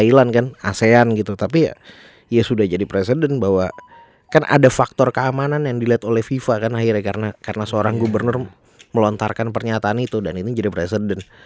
thailand kan asean gitu tapi ya sudah jadi presiden bahwa kan ada faktor keamanan yang dilihat oleh fifa kan akhirnya karena seorang gubernur melontarkan pernyataan itu dan ini jadi presiden